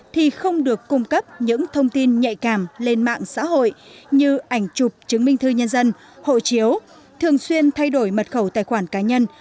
thì không được cung cấp những thông tin nhạy cảm lên mạng xã hội như ảnh chụp chứng minh thư nhân dân hộ chiếu thường xuyên thay đổi mật khẩu tài khoản cá nhân